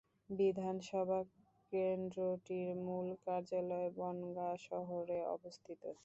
বিধানসভা কেন্দ্রটির মূল কার্যালয় বনগাঁ শহরে অবস্থিত।